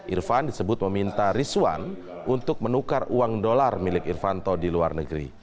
irfan disebut meminta rizwan untuk menukar uang dolar milik irvanto di luar negeri